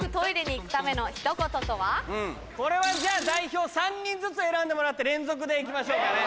これは代表３人ずつ選んでもらって連続で行きましょうかね。